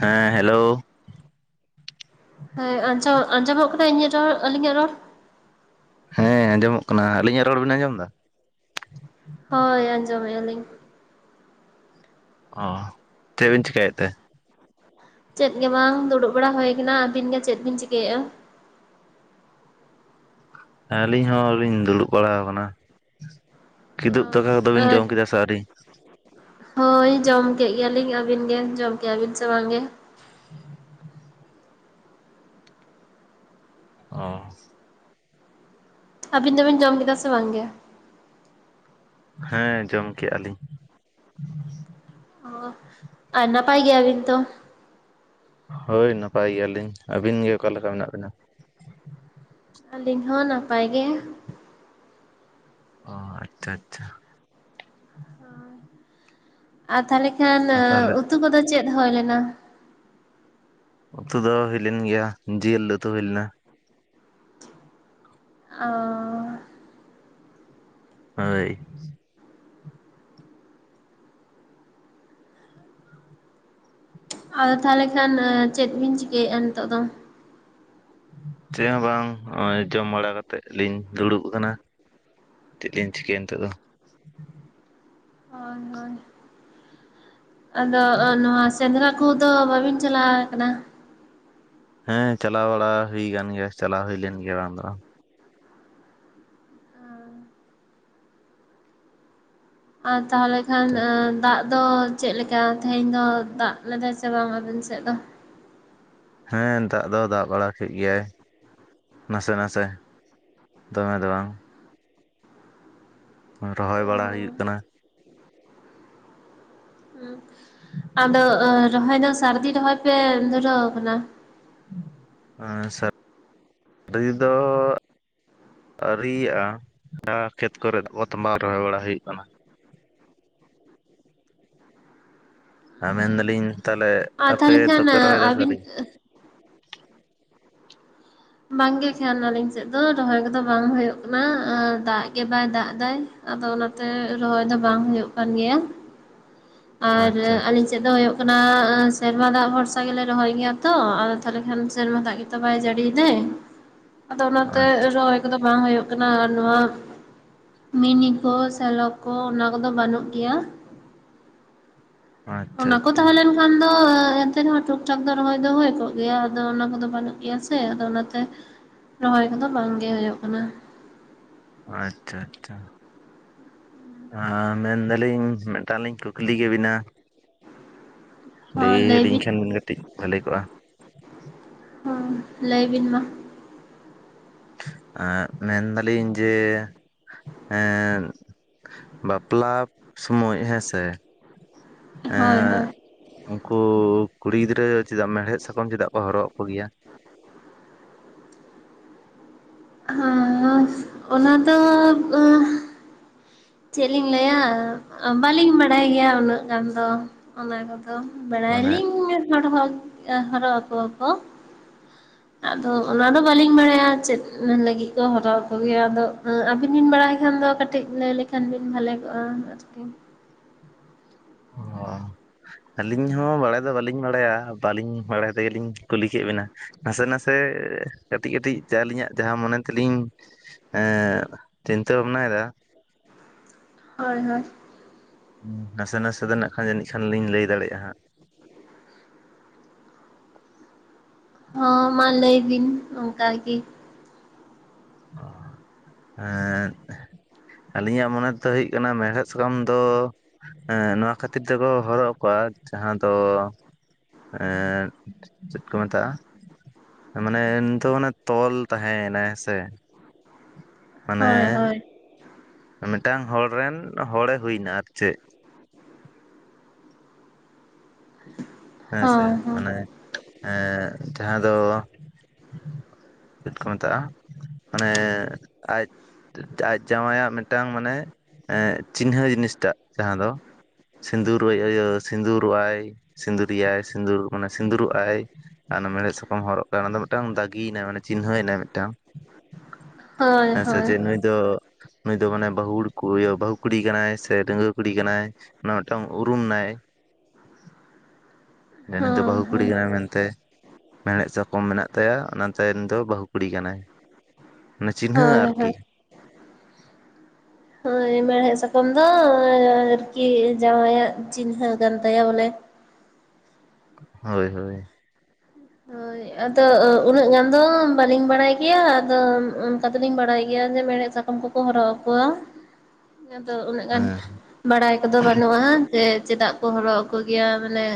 ᱦᱮᱸ ᱦᱮᱞᱳ᱾ ᱦᱮᱸ ᱟᱸᱡᱚᱢ ᱟᱸᱡᱚᱢᱚᱜ ᱠᱟᱱᱟ ᱤᱧᱟᱹᱜ ᱨᱚᱲ ᱟᱞᱤᱧᱟᱜ ᱨᱚᱲ᱾ ᱦᱮᱸ ᱟᱸᱡᱚᱢᱚᱜ ᱠᱟᱱᱟ ᱟᱹᱞᱤᱧᱟᱜ ᱨᱚᱲ ᱵᱤᱱ ᱟᱸᱡᱚᱢ ᱮᱫᱟ? ᱦᱳᱭ ᱟᱸᱡᱚᱢᱮᱜ ᱟᱞᱤᱧ᱾ ᱚ ᱪᱮᱫ ᱵᱤᱱ ᱪᱮᱠᱟᱹᱭᱮᱫ ᱛᱮ? ᱪᱮᱫ ᱜᱮ ᱵᱟᱝ ᱫᱩᱲᱩᱵ ᱵᱟᱲᱟ ᱦᱩᱭᱠ ᱟᱹᱵᱤᱱ ᱜᱮ ᱪᱮᱫ ᱵᱤᱱ ᱪᱤᱠᱟᱹᱭᱮᱜᱼᱟ? ᱟᱹᱞᱤᱧ ᱦᱚᱸᱞᱤᱧ ᱫᱩᱲᱩᱵ ᱵᱟᱲᱟ ᱟᱠᱟᱱᱟ ᱠᱤᱫᱩᱵ ᱫᱟᱠᱟ ᱠᱚᱫᱚᱵᱤᱱ ᱟᱨ ᱡᱚᱢ ᱠᱮᱫᱟ ᱥᱮ ᱟᱣᱨᱤ? ᱦᱳᱭ ᱡᱚᱢ ᱠᱮᱜ ᱜᱮᱭᱟᱞᱤᱧ ᱟᱹᱵᱤᱱ ᱜᱮ ᱡᱚᱢ ᱠᱮᱜᱼᱟᱵᱤᱱ ᱥᱮ ᱵᱟᱝ ᱜᱮ? [inaudible] ᱚ ᱟᱹᱵᱤᱱ ᱫᱚᱵᱤᱱ ᱡᱚᱢ ᱠᱮᱫᱟ ᱥᱮ ᱵᱟᱝ ᱜᱮ ᱦᱮᱸ ᱡᱚᱢ ᱠᱮᱜᱼᱟ ᱞᱤᱧ᱾ ᱚ ᱟᱨ ᱱᱟᱯᱟᱭ ᱜᱮᱭᱟ ᱵᱤᱱ ᱛᱚ? ᱦᱳᱭ ᱱᱟᱯᱟᱭ ᱜᱮᱭᱟᱞᱤᱧ ᱟᱹᱵᱤᱱ ᱜᱮ ᱚᱠᱟᱞᱮᱠᱟ ᱢᱮᱱᱟᱜ ᱵᱤᱱᱟ? ᱟᱹᱞᱤᱧ ᱦᱚᱸ ᱱᱟᱯᱟᱭ ᱜᱮ᱾ ᱚ ᱟᱪᱪᱷᱟ ᱟᱪᱪᱷᱟ ᱟᱨ ᱛᱟᱞᱦᱮ ᱠᱷᱟᱱ ᱟᱨ ᱛᱟᱦᱚᱞᱮ ᱩᱛᱩ ᱠᱚᱫᱚ ᱪᱮᱫ ᱦᱳᱭ ᱞᱮᱱᱟ? ᱩᱛᱩ ᱫᱚ ᱦᱩᱭ ᱞᱮᱱ ᱜᱮᱭᱟ ᱡᱮᱞ ᱩᱛᱩ ᱦᱩᱭ ᱞᱮᱱᱟ᱾ ᱚ ᱦᱳᱭ ᱟᱫᱚ ᱛᱟᱞᱦᱮ ᱠᱷᱟᱱ ᱪᱮᱫ ᱵᱤᱱ ᱪᱤᱠᱟᱹᱭᱮᱜᱼᱟ ᱱᱤᱛᱚᱜ ᱫᱚ? ᱪᱮᱜ ᱦᱚᱸ ᱵᱟᱝ ᱱᱚᱜᱼᱚᱭ ᱡᱚᱢ ᱵᱟᱲᱟ ᱠᱟᱛᱮᱫ ᱞᱤᱧ ᱫᱩᱲᱩᱵ ᱟᱠᱟᱱᱟ᱾ ᱪᱮᱫ ᱞᱤᱧ ᱪᱤᱠᱟᱹᱭᱟ ᱱᱤᱛᱚᱜ ᱫᱚ᱾ ᱦᱚᱭ ᱦᱚᱭ ᱟᱫᱚ ᱱᱚᱣᱟ ᱥᱮᱸᱫᱽᱨᱟ ᱠᱚᱫᱚ ᱵᱟᱵᱤᱱ ᱪᱟᱞᱟᱣ ᱟᱠᱟᱱᱟ᱾ ᱦᱮᱸ ᱪᱟᱞᱟᱣ ᱵᱟᱲᱟ ᱦᱩᱭ ᱟᱠᱟᱱ ᱜᱮᱭᱟ ᱪᱟᱞᱟᱣ ᱦᱩᱭ ᱞᱮᱱ ᱜᱮᱭᱟ ᱵᱟᱝ ᱫᱚ ᱵᱟᱝ᱾ ᱟᱨ ᱛᱟᱦᱚᱞᱮ ᱠᱷᱟᱱ ᱵᱟᱝ ᱮ ᱫᱟᱜ ᱫᱚ ᱪᱮᱫᱞᱮᱠᱟ ᱛᱮᱦᱮᱧ ᱫᱚ ᱫᱟᱜ ᱞᱮᱫᱟᱭ ᱥᱮ ᱵᱟᱝ ᱟᱵᱮᱱ ᱥᱮᱫ ᱫᱚ? ᱦᱮᱸ ᱫᱟᱜ ᱫᱚ ᱫᱟᱜ ᱵᱟᱲᱟ ᱠᱮᱫ ᱜᱮᱭᱟᱭ᱾ ᱱᱟᱥᱮ ᱱᱟᱥᱮ ᱫᱚᱢᱮ ᱫᱚ ᱵᱟᱝ᱾ ᱨᱚᱦᱚᱭ ᱵᱟᱲᱟ ᱦᱩᱭᱩᱜ ᱚ ᱠᱟᱱᱟ ᱾ ᱩᱸ ᱟᱫᱚ ᱨᱚᱦᱚᱭ ᱫᱚ ᱥᱟᱹᱨᱫᱤ ᱨᱚᱦᱚᱭ ᱯᱮ ᱫᱷᱩᱨᱟᱹᱣ ᱟᱠᱟᱱᱟ ᱾ [unintelligible] ᱥᱟ [inaudible] ᱥᱟᱹᱨᱫᱤ ᱫᱚ ᱟᱹᱨᱤᱭᱟᱜᱼᱟ [unintelligible] ᱠᱷᱮᱛ ᱠᱚᱨᱮᱫ [unintelligible] ᱨᱚᱦᱚᱭ ᱵᱟᱲᱟ ᱦᱩᱭᱩᱜ ᱠᱟᱱᱟ ᱾ ᱟᱨ ᱢᱮᱱᱫᱟᱞᱤᱧ ᱛᱟᱦᱚᱞᱮ ᱟᱨ ᱟᱯᱮ ᱛᱟᱦᱚᱞᱮ ᱠᱷᱟᱱ ᱫᱚᱯᱮ ᱨᱚᱦᱚᱭ ᱫᱟ ᱥᱮ ᱟᱹᱵᱤᱱ ᱟᱹᱨᱤ? ᱵᱟᱝᱜᱮ ᱠᱷᱟᱱ ᱟᱞᱤᱧ ᱥᱮᱫ ᱫᱚ ᱨᱚᱦᱚᱭ ᱠᱚᱫᱚ ᱵᱟᱝ ᱦᱩᱭᱩᱜ ᱠᱟᱱᱟ ᱟᱨ ᱫᱟᱜ ᱜᱮ ᱵᱟᱭ ᱫᱟᱜ ᱮᱫᱟ᱾ ᱟᱫᱚ ᱚᱱᱟᱛᱮ ᱨᱚᱦᱚᱭ ᱫᱚ ᱵᱟᱝ ᱦᱩᱭᱩᱜ ᱠᱟᱱ ᱜᱮᱭᱟ ᱟᱨ ᱟᱪᱪᱷᱟ ᱟᱹᱞᱤᱧ ᱥᱮᱫ ᱫᱚ ᱦᱩᱭᱩᱜ ᱚᱱᱟ ᱥᱮᱨᱢᱟ ᱫᱟᱜ ᱵᱷᱚᱨᱥᱟ ᱜᱮᱞᱮ ᱨᱚᱦᱚᱭ ᱜᱮᱭᱟ ᱛᱚ ᱟᱫᱚ ᱛᱟᱦᱚᱞᱮ ᱠᱷᱟᱱ ᱥᱮᱨᱢᱟ ᱫᱟᱜ ᱜᱮᱛᱚ ᱵᱟᱭ ᱡᱟᱹᱲᱤᱭᱮᱫᱟᱭ ᱾ [inaudible] ᱟᱫᱚ ᱚᱱᱟᱛᱮ ᱟᱪᱪᱷᱟ ᱨᱚᱦᱚᱭ ᱠᱚᱫᱚ ᱵᱟᱝ ᱦᱩᱭᱩᱜ ᱠᱟᱱᱟ ᱟᱨ ᱱᱚᱣᱟ ᱢᱤᱱᱤ ᱠᱚ ᱥᱮᱞᱚ ᱠᱚ ᱚᱱᱟ ᱠᱚᱫᱚ ᱵᱟᱹᱱᱩᱜ ᱜᱮᱭᱟ᱾ ᱚᱱᱟ ᱠᱚ ᱟᱪᱪᱷᱟ ᱟᱪᱪᱷᱟ ᱛᱟᱦᱮᱸ ᱞᱮᱱ ᱠᱷᱟᱱ ᱫᱚ ᱮᱱᱛᱮ ᱨᱮᱦᱚᱸ ᱴᱷᱤᱠᱼ ᱴᱷᱟᱠ ᱫᱚ ᱨᱚᱦᱚᱭ ᱫᱚ ᱦᱩᱭ ᱠᱚᱜ ᱜᱮᱭᱟ ᱟᱫᱚ ᱚᱱᱟ ᱠᱚᱫᱚ ᱵᱟᱹᱱᱩᱜ ᱜᱮᱭᱟ ᱥᱮ ᱟᱫᱚ ᱚᱱᱟᱛᱮ ᱨᱚᱦᱚᱭ ᱠᱚᱫᱚ ᱵᱟᱝ ᱜᱮ ‌ᱦᱩᱭᱩᱜ ᱠᱟᱱᱟ ᱾ ᱟᱪᱪᱷᱟ ᱟᱪᱪᱷᱟ ᱾ ᱟ ᱢᱮᱱᱫᱟᱞᱤᱧ ᱢᱤᱫᱴᱟᱝ ᱞᱤᱧ ᱠᱩᱠᱞᱤ ᱠᱮ ᱵᱤᱱᱟ? ᱞᱟᱹᱭ ᱦᱚᱸ ᱟᱹᱞᱤᱧ ᱵᱤᱱ ᱠᱷᱟᱱ ᱠᱟᱹᱴᱤᱡ ᱵᱷᱟᱞᱮ ᱠᱚᱜᱼᱟ᱾ ᱦᱮᱸ ᱞᱟᱹᱭ ᱵᱤᱱ ᱢᱟ᱾ ᱮ ᱢᱮᱱᱫᱟᱞᱤᱧ ᱡᱮ ᱮᱸ ᱵᱟᱯᱞᱟ ᱥᱚᱢᱚᱭ ᱦᱮᱸ ᱥᱮ ᱦᱳᱭ ᱮᱸ ᱦᱳᱭ ᱩᱱᱠᱩ ᱠᱩᱲᱤ ᱜᱤᱫᱽᱨᱟᱹ ᱪᱮᱫᱟᱜ ᱢᱮᱲᱦᱮᱫ ᱥᱟᱠᱚᱢ ᱪᱮᱫᱟᱜ ᱠᱚ ᱦᱚᱨᱚᱜ ᱟᱠᱚ ᱜᱮᱭᱟ? ᱦᱚᱸᱥ ᱚᱱᱟ ᱫᱚ ᱟᱸᱦ ᱪᱮᱫ ᱞᱤᱧ ᱞᱟᱹᱭᱟ ᱵᱟᱹᱞᱤᱧ ᱵᱟᱰᱟᱭ ᱜᱮᱭᱟ ᱩᱱᱟᱹᱜ ᱜᱟᱱ ᱫᱚ ᱚᱱᱟ ᱠᱚᱫᱚ ᱾ ᱟᱫᱚ ᱵᱟᱲᱟᱭᱟ ᱢᱟᱱᱮ ᱞᱤᱧ ᱦᱚᱨᱚ ᱦᱚᱨᱚᱜ ᱟᱠᱚᱣᱟ ᱠᱚ, [unintelligible] ᱟᱫᱚ ᱚᱱᱟᱫᱚ ᱵᱟᱹᱞᱤᱧ ᱵᱟᱲᱟᱭᱟ ᱪᱮᱫ ᱞᱟᱹᱜᱤᱫ ᱠᱚ ᱦᱚᱨᱟᱜ ᱟᱠᱚᱜᱮᱭᱟ, ᱟᱫᱚ ᱟᱹᱵᱤᱱ ᱵᱤᱱ ᱵᱟᱲᱟᱭ ᱠᱷᱟᱱ ᱫᱚ ᱠᱟ ᱠᱟᱹᱴᱤᱡ ᱞᱟᱹᱭ ᱞᱮᱠᱷᱟᱱ ᱵᱤᱱ ᱵᱷᱟᱞᱮ ᱠᱚᱜᱼᱟ ᱟᱨᱠᱤ ᱾ ᱚ᱾ ᱟᱹᱞᱤᱧ ᱦᱚᱸ ᱵᱟᱲᱟᱭ ᱫᱚ ᱵᱟᱹᱞᱤᱧ ᱵᱟᱲᱟᱭᱟ ᱵᱟᱹᱞᱤᱧ ᱵᱟᱲᱟᱭ ᱛᱮᱜᱮᱞᱤᱧ ᱠᱩᱞᱤ ᱠᱮᱫ ᱵᱤᱱᱟ ᱾ ᱱᱟᱥᱮ ᱱᱟᱥᱮ ᱠᱟᱹᱴᱤᱡ ᱠᱟᱹᱴᱤᱡ ᱡᱟ ᱟᱹᱞᱤᱧᱟᱜ ᱡᱟᱦᱟᱸ ᱢᱚᱱᱮ ᱛᱮᱞᱤᱧ ᱮᱸᱫ ᱪᱤᱱᱛᱟᱹ ᱵᱷᱟᱵᱽᱱᱟᱭ ᱫᱟ, ᱦᱳᱭ ᱦᱳᱭ᱾ ᱦᱩᱸ ᱱᱟᱥᱮ ᱱᱟᱥᱮ ᱫᱚ ᱱᱟᱜ ᱠᱷᱟᱱ ᱡᱟᱹᱱᱤᱡ ᱠᱷᱟᱱ ᱞᱤᱧ ᱞᱟᱹᱭ ᱫᱟᱲᱮᱜ-ᱟ ᱦᱟᱸᱜ᱾ ᱦᱚᱸ ᱢᱟ ᱞᱟᱹᱭ ᱵᱤᱱ ᱚᱝᱠᱟ ᱜᱤ᱾ ᱚ ᱮᱸᱫᱻ ᱟᱹᱞᱤᱧᱟᱜ ᱢᱚᱱᱮᱛᱮ ᱦᱩᱭᱩᱜ ᱠᱟᱱᱟ ᱢᱮᱲᱦᱮᱫ ᱥᱟᱠᱟᱢ ᱫᱚ ᱮᱸ ᱱᱚᱣᱟ ᱠᱷᱟᱹᱛᱤᱨ ᱛᱮᱠᱚ ᱦᱚᱨᱚᱜ ᱟᱠᱚᱣᱟ ᱡᱟᱦᱟᱸ ᱫᱚ ᱮᱸᱫ ᱪᱮᱫ ᱠᱚ ᱢᱮᱛᱟᱜᱼᱟ, ᱢᱟᱱᱮ ᱩᱱᱤᱛᱚ ᱢᱟᱱᱮ ᱛᱚᱞ ᱛᱟᱦᱮᱸᱭ ᱮᱱᱟᱭ ᱦᱮᱸᱥᱮ? ᱢᱟᱱᱮ ᱦᱳᱭ ᱦᱳᱭ᱾ ᱢᱤᱫᱴᱟᱝ ᱦᱚᱲ ᱨᱮᱱ ᱦᱚᱲᱮ ᱦᱩᱭᱱᱟ ᱟᱨ ᱪᱮᱫ᱾ [unintelligible] ᱦᱮᱸᱥᱮ ᱦᱚᱸ ᱚᱱᱮ ᱮᱸᱜ ᱡᱟᱦᱟᱸ ᱫᱚ ᱪᱮᱫ ᱠᱚ ᱢᱮᱛᱟᱜᱼᱟ ᱢᱟᱱᱮ ᱟᱡ ᱟᱡ ᱡᱟᱶᱟᱭᱟᱜ ᱢᱤᱫᱴᱟᱝ ᱢᱟᱱᱮ ᱮᱸᱜ ᱪᱤᱱᱦᱟᱹ ᱡᱤᱱᱤᱥᱴᱟᱜ ᱡᱟᱦᱟᱸ ᱫᱚ, ᱥᱤᱸᱫᱩᱨ ᱟᱹᱭ ᱟᱹᱭᱟᱹ ᱥᱤᱸᱫᱩᱨᱚᱜ ᱟᱭ ᱥᱤᱸᱫᱩᱨᱤᱭᱟᱭ ᱥᱤᱸᱫᱩᱨ ᱢᱟᱱᱮ ᱥᱤᱸᱫᱩᱨᱚᱜ ᱟᱭ᱾ ᱟᱨ ᱚᱱᱟ ᱢᱮᱲᱦᱮᱫ ᱥᱟᱠᱟᱢ ᱦᱚᱨᱚᱜ ᱠᱟᱛᱮ ᱚᱱᱟ ᱫᱚ ᱢᱤᱫᱴᱟᱝ ᱫᱟᱜᱤᱭᱮᱱᱟᱭ ᱢᱟᱱᱮ ᱪᱤᱱᱦᱟᱹᱮᱱᱟᱭ ᱢᱤᱫᱴᱟᱝ᱾ ᱦᱳᱭ ᱦᱮᱸᱥᱮ ᱦᱳᱭ ᱡᱮ ᱱᱩᱭ ᱫᱚ ᱱᱩᱭ ᱫᱚ ᱢᱟᱱᱮ ᱵᱟᱹᱦᱩ ᱠᱩ ᱤᱭᱟᱹ ᱵᱟᱹᱦᱩ ᱠᱩᱲᱤ ᱠᱟᱱᱟᱭ ᱥᱮ ᱰᱟᱺᱜᱽᱣᱟᱹ ᱠᱩᱲᱤ ᱠᱟᱱᱟᱭ, ᱚᱱᱟ ᱢᱤᱫᱴᱟᱝ ᱩᱨᱩᱢ ᱱᱟᱭ᱾ ᱡᱮ ᱩᱱᱤ ᱫᱚ ᱦᱚᱸ ᱵᱟᱹᱦᱩ ᱠᱩᱲᱤ ᱦᱚᱸ ᱠᱟᱱᱟᱭ ᱢᱮᱱᱛᱮ᱾ ᱢᱮᱲᱦᱮᱫ ᱥᱟᱠᱚᱢ ᱢᱮᱱᱟᱜ ᱛᱟᱭᱟ ᱚᱱᱟ ᱛᱟᱭᱮᱱ ᱫᱚ ᱵᱟᱹᱦᱩ ᱠᱩᱲᱤ ᱠᱟᱱᱟᱭ ᱚᱱᱮ ᱪᱤᱱᱦᱟᱹ ᱦᱳᱭ ᱟᱨᱠᱤ᱾ ᱦᱳᱭ ᱦᱳᱭ ᱢᱮᱲᱦᱮᱫ ᱥᱟᱠᱟᱢ ᱫᱚ ᱟᱨᱠᱤ ᱡᱟᱶᱟᱭᱟᱜ ᱪᱤᱱᱦᱟᱹ ᱠᱟᱱ ᱛᱟᱭᱟ ᱵᱚᱞᱮ᱾ ᱦᱳᱭ ᱦᱳᱭ᱾ ᱦᱳᱭ᱾ ᱟᱫᱚ ᱩᱱᱟᱹᱜ ᱜᱟᱱ ᱫᱚ ᱵᱟᱹᱞᱤᱧ ᱵᱟᱲᱟᱭ ᱜᱮᱭᱟ, ᱟᱫᱚ ᱚᱱᱠᱟ ᱫᱚᱞᱤᱧ ᱵᱟᱲᱟᱭ ᱜᱮᱭᱟ ᱡᱮ ᱢᱮᱲᱦᱮᱫ ᱥᱟ ᱠᱚᱢ ᱠᱚ ᱠᱚ ᱦᱚᱨᱚᱜ ᱟᱠᱚᱣᱟ, ᱟᱫᱚ ᱩᱱᱟᱹᱜ ᱜᱟᱱ ᱦᱮᱸ ᱵᱟᱲᱟᱭ ᱠᱚᱫᱚ ᱵᱟᱹᱱᱩᱜ-ᱟ ᱡᱮ ᱪᱮᱫᱟᱜ ᱠᱚ ᱦᱚᱨᱚᱜ ᱟᱠᱚ ᱜᱮᱭᱟ ᱢᱟᱱᱮ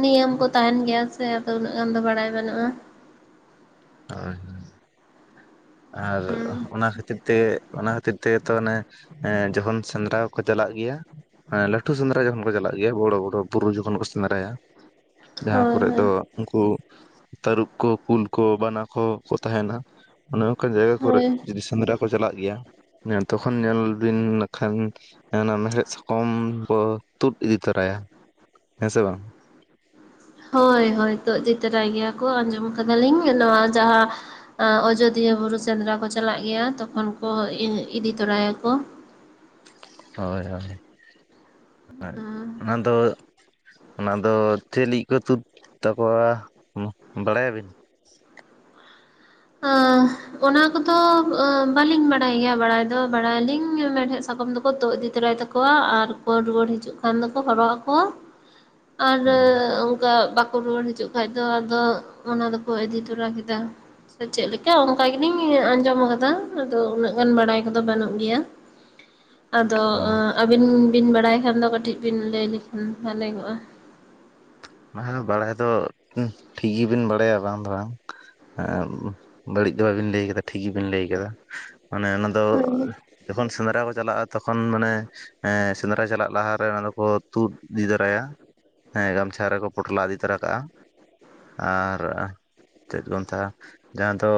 ᱱᱤᱭᱚᱢ ᱠᱚ ᱛᱟᱦᱮᱸᱱ ᱜᱮᱭᱟ ᱥᱮ ᱟᱫᱚ ᱩᱱᱟᱹᱜ ᱜᱟᱱ ᱫᱚ ᱵᱟᱲᱟᱭ ᱵᱟᱱᱩᱜ-ᱟ᱾ ᱦᱳᱭ ᱦᱳᱭ ᱟᱨ ᱦᱩᱸ ᱚᱱᱟ ᱠᱷᱟᱹᱛᱤᱨ ᱛᱮ ᱚᱱᱟ ᱠᱷᱟᱹᱛᱤᱨ ᱛᱮᱜᱮ ᱛᱚ ᱚᱱᱮ ᱮᱸ ᱡᱚᱠᱷᱚᱱ ᱥᱮᱸᱫᱽᱨᱟ ᱠᱚ ᱪᱟᱞᱟᱜ ᱜᱮᱭᱟ, ᱮᱸ‌ ᱞᱟᱹᱴᱷᱩ ᱥᱮᱸᱫᱽᱨᱟ ᱡᱚᱠᱷᱚᱱ ᱠᱚ ᱪᱟᱞᱟᱜ ᱜᱮᱭᱟ ᱵᱚᱲᱚ ᱵᱚᱲᱚ ᱵᱩᱨᱩ ᱡᱚᱠᱷᱚᱱ ᱠᱚ ᱥᱮᱸᱫᱽᱨᱟᱭᱟ, ᱡᱟᱦᱟᱸ ᱦᱳᱭ ᱠᱚᱨᱮ ᱦᱳᱭ ᱫᱚ ᱩᱱᱠᱩ ᱛᱟᱹᱨᱩᱵ ᱠᱚ ᱠᱩᱞ ᱠᱚ ᱵᱟᱱᱟ ᱠᱷᱚ ᱠᱚ ᱛᱟᱦᱮᱸᱱᱟ ᱚᱱᱮ ᱚᱱᱠᱟᱱ ᱡᱟᱭᱜᱟ ᱠᱚᱨᱮ ᱦᱳᱭ ᱡᱩᱫᱤ ᱥᱮᱸᱫᱽᱨᱟ ᱠᱚ ᱪᱟᱞᱟᱜ ᱜᱮᱭᱟ, ᱧᱮᱞ ᱛᱚᱠᱷᱚᱱ ᱧᱮᱞ ᱵᱤᱱ ᱱᱟᱠᱷᱟᱱ ᱦᱮᱸ ᱚᱱᱟ ᱢᱮᱲᱦᱮᱫ ᱥᱟᱠᱚᱢ ᱠᱚ ᱛᱩᱫ ᱤᱫᱤ ᱛᱚᱨᱟᱭᱟ᱾ ᱦᱮᱸ ᱥᱮ ᱵᱟᱝ? ᱦᱳᱭ ᱦᱳᱭ ᱛᱳᱫ ᱤᱫᱤ ᱛᱚᱨᱟᱭ ᱜᱮᱭᱟ ᱠᱚ ᱟᱸᱡᱚᱢ ᱠᱟᱫᱟᱞᱤᱧ, ᱱᱚᱣᱟ ᱡᱟᱦᱟᱸ ᱚᱡᱳᱫᱤᱭᱟᱹ ᱵᱩᱨᱩ ᱥᱮᱸᱫᱽᱨᱟ ᱠᱚ ᱪᱟᱞᱟᱜ ᱜᱮᱭᱟ ᱛᱚᱠᱷᱚᱱ ᱠᱚ ᱤᱫᱤ ᱛᱚᱨᱟᱭᱟᱠᱚ᱾ ᱦᱳᱭ ᱦᱳᱭ, ᱚᱱᱟ ᱫᱚ ᱚᱱᱟ ᱫᱚ ᱪᱮᱫ ᱞᱤᱜᱤᱜ ᱠᱚ ᱛᱩᱫ ᱛᱟᱠᱚᱣᱟ ᱩᱸ ᱵᱟᱲᱟᱭᱟᱵᱤᱱ? ᱟᱸ᱾ ᱚᱱᱟ ᱠᱚᱫᱚ ᱵᱟᱞᱤᱧ ᱵᱟᱲᱟᱭ ᱜᱮᱭᱟ ᱵᱟᱲᱟᱭ ᱫᱚ, ᱵᱟᱲᱟᱭᱟᱞᱤᱧ ᱢᱮᱲᱦᱮᱫ ᱥᱟᱠᱟᱢ ᱫᱚᱠᱚ ᱛᱳᱜ ᱤᱫᱤ ᱛᱚᱨᱟᱭ ᱛᱟᱠᱚ ᱠᱚᱣᱟ ᱟᱨ ᱠᱚ ᱨᱩᱣᱟᱹᱲ ᱦᱤᱡᱩᱜ ᱠᱷᱟᱱ ᱫᱚᱠᱚ ᱦᱚᱨᱚᱜ ᱟᱠᱚᱣᱟ᱾ ᱟᱨᱚ ᱚᱝᱠᱟ ᱵᱟᱠᱚ ᱨᱩᱣᱟᱹᱲ ᱦᱤᱡᱩᱜ ᱠᱷᱟᱡ ᱫᱚ ᱟᱫᱚ ᱚᱱᱟ ᱫᱚᱠᱚ ᱤᱫᱤ ᱛᱚᱨᱟ ᱠᱮᱫᱟ᱾ ᱥᱮ ᱪᱮᱫ ᱞᱮᱠᱟ ᱚᱝᱠᱟ ᱜᱮᱞᱤᱧ ᱟᱸᱡᱚᱢ ᱟᱠᱟᱫᱟ, ᱟᱫᱚ ᱩᱱᱟᱹᱜ ᱜᱟᱱ ᱵᱟᱲᱟᱭ ᱠᱚᱫᱚ ᱵᱟᱹᱱᱩᱜ ᱜᱮᱭᱟ᱾ ᱟᱫᱚ ᱚ ᱟᱸ ᱟᱵᱤᱱ ᱵᱤᱱ ᱵᱟᱲᱟᱭ ᱠᱷᱟᱱ ᱫᱚ ᱠᱟᱹᱴᱤᱡ ᱵᱤᱱ ᱞᱟᱹᱭ ᱞᱮᱠᱷᱟᱱ ᱵᱷᱟᱞᱮ ᱠᱚᱜ-ᱟ? ᱢᱟᱦᱟ ᱵᱟᱲᱟᱭ ᱫᱚ ᱩᱸᱷ ᱴᱷᱤᱠ ᱜᱤᱵᱤᱱ ᱵᱟᱲᱟᱭᱟ ᱵᱟᱝ ᱫᱚ ᱵᱟᱝ᱾ ᱟᱢ, ᱵᱟᱹᱲᱤᱡ ᱫᱚ ᱵᱟᱵᱤᱱ ᱞᱟᱹᱭ ᱠᱟᱫᱟ ᱴᱷᱤᱠ ᱜᱮᱵᱤᱱ ᱞᱟᱹᱭ ᱠᱟᱫᱟ᱾ ᱢᱟᱱᱮ ᱚᱱᱟ ᱫᱚ ᱡᱚᱠᱷᱚᱱ ᱥᱮᱸᱫᱽᱨᱟ ᱠᱚ ᱪᱟᱞᱟᱜ-ᱟ ᱛᱚᱠᱷᱚᱱ ᱢᱟᱱᱮ ᱦᱮᱸ ᱥᱮᱸᱫᱽᱨᱟ ᱪᱟᱞᱟᱜ ᱞᱟᱦᱟᱨᱮ ᱚᱱᱟ ᱫᱚᱠᱚ ᱛᱩᱫ ᱤᱫᱤ ᱛᱟᱨᱟᱭᱟ, ᱦᱮᱸ ᱜᱟᱢ ᱪᱷᱟ ᱨᱮᱠᱚ ᱯᱚᱴᱞᱟ ᱤᱫᱤ ᱛᱚᱨᱟ ᱠᱟᱜ-ᱟ, ᱟᱨ ᱪᱮᱫ ᱵᱚ ᱢᱮᱛᱟᱜ-ᱟ, ᱡᱟᱦᱟᱸ ᱫᱚ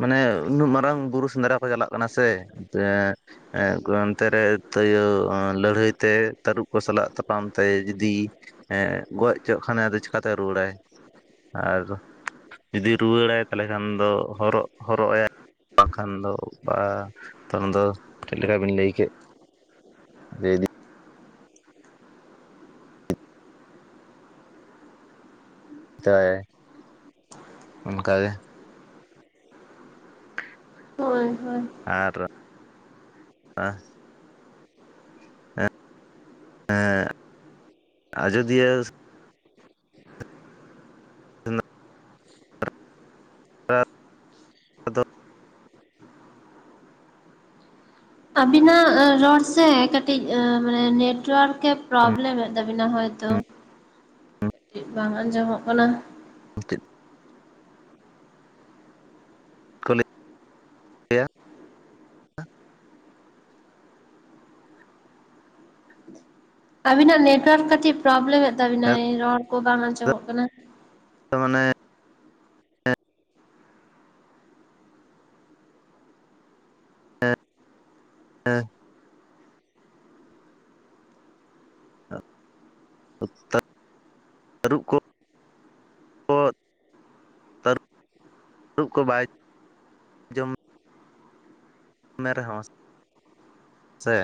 ᱢᱟᱱᱮ ᱩᱱᱟᱹᱜ ᱢᱟᱨᱟᱝ ᱵᱩᱨᱩ ᱥᱮᱸᱫᱽᱨᱟ ᱠᱚ ᱪᱟᱞᱟᱜ ᱠᱟᱱᱟ ᱥᱮ, [unintelligible] ᱮᱸ ᱠᱚ ᱚᱱᱛᱮ ᱨᱮ ᱛᱳᱭᱳ ᱟᱸ ᱞᱟᱹᱲᱦᱟᱹᱭ ᱛᱮ, ᱛᱟᱹᱨᱩᱵ ᱠᱚ ᱥᱟᱞᱟᱜ ᱛᱟᱯᱟᱢ ᱛᱮ ᱡᱩᱫᱤᱭ ᱦᱮᱸ ᱜᱚᱡ ᱦᱚᱪᱚᱜ ᱠᱷᱟᱱᱮ ᱟᱫᱚ ᱪᱮᱠᱟᱛᱮ ᱨᱩᱣᱟᱹᱲᱟᱭ᱾ ᱟᱨᱚ, ᱡᱩᱫᱤ ᱨᱩᱣᱟᱹᱲᱟᱭ ᱛᱟᱦᱚᱞᱮ ᱠᱷᱟᱱ ᱫᱚ ᱦᱚᱨᱚᱜ ᱦᱚᱨᱚᱜ-ᱟᱭᱟ ᱵᱟᱝᱠᱷᱟᱱ ᱫ ᱵᱟ ᱛᱚᱠᱷᱚᱱ ᱫᱚ ᱪᱮᱫ ᱞᱮᱠᱟ ᱵᱤᱱ ᱞᱟᱹᱭ ᱠᱮᱫ, ᱡᱮᱭ ᱤᱫᱤ ᱛᱟᱨᱟᱭᱟᱭ, ᱚᱱᱠᱟ ᱜᱮ᱾ ᱦᱳᱭ ᱦᱳᱭ᱾ ᱟᱨ ᱟ ᱮᱸ ᱟᱡᱚᱫᱤᱭᱟᱹ ᱥᱮᱸᱫᱽᱨᱟ [inaudible] ᱟᱵᱤᱱᱟᱜ ᱨᱚᱲ ᱥᱮ ᱠᱟᱹᱴᱤᱡ ᱢᱟᱱᱮ ᱱᱮᱴᱣᱟᱨᱠ ᱮ ᱯᱨᱚᱵᱞᱮᱢᱮᱫ ᱛᱟᱵᱤᱱᱟ ᱦᱚᱭᱛᱚ᱾ ᱦ ᱪᱮᱫ ᱵᱟᱝ ᱟᱸᱡᱚᱢᱚᱜ ᱠᱟᱱᱟ᱾ ᱪᱮᱫ? ᱠᱚᱞᱮ [inaudible] ᱞᱮᱭᱟ ᱟᱵᱤᱱᱟᱜ ᱱᱮᱴᱳᱣᱟᱨᱠ ᱠᱟᱴᱤᱡ ᱯᱨᱚᱵᱞᱮᱢᱮᱫ ᱛᱟᱵᱤᱱᱟᱭ, ᱨᱚᱲ ᱠᱚ ᱵᱟᱝ ᱟᱸᱡᱚᱢᱚᱜ ᱠᱟᱱᱟ᱾ ᱛᱚ ᱢᱟᱱᱮ ᱦᱮᱸ᱾ [inaudible] ᱛᱟᱹᱨᱩᱵ ᱠᱚ, ᱠᱚ ᱛᱟᱹᱨᱩᱵᱽ ᱠᱚ ᱵᱟᱭ ᱡᱚᱢ ᱢᱮ ᱨᱮᱦᱚᱸ ᱥᱮ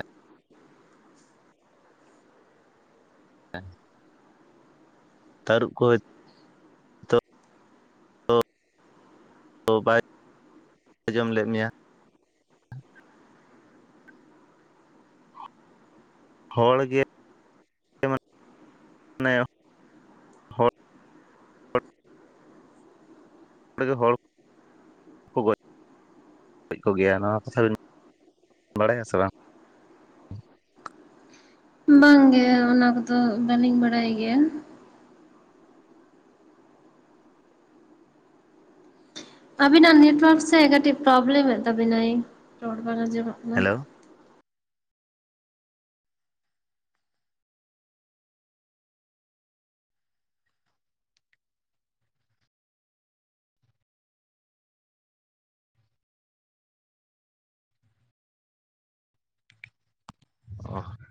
[inaudible] ᱛᱟᱹᱨᱩᱵ ᱠᱚᱭ ᱠᱚ ᱵᱟᱭ ᱡᱚᱢ ᱞᱮᱫ ᱢᱮᱭᱟ᱾ ᱦᱚᱲ ᱜᱮ [unintelligible] ᱢᱟᱱᱮ ᱦᱚᱲ ᱜᱮ ᱦᱚᱲ ᱜᱚᱡ ᱜᱚᱡ ᱠᱚᱜᱮᱭᱟ, ᱱᱚᱣᱟ ᱠᱟᱛᱷᱟ ᱵᱮᱱ ᱵᱟᱲᱟᱭᱟ ᱥᱮ ᱵᱟᱝ? ᱵᱟᱝ ᱜᱮ, ᱚᱱᱟ ᱠᱚᱫᱚ ᱵᱟᱹᱞᱤᱧ ᱵᱟᱲᱟᱭ ᱜᱮᱭᱟ᱾ ᱟᱵᱤᱱᱟᱜ ᱱᱮᱴᱚᱣᱟᱨᱠ ᱥᱮ ᱠᱟᱹᱴᱤᱡ ᱯᱨᱚᱵᱞᱮᱢ ᱮᱫ ᱛᱟᱵᱤᱱᱟᱭ, ᱨᱚᱲ ᱵᱟᱝ ᱟᱧᱡᱚᱢᱟᱜ ᱦᱮᱞᱳ᱾ ᱚᱸ [unintelligible]